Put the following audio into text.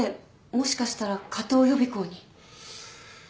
もしかしたら加藤予備校に。